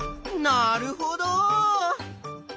なるほど。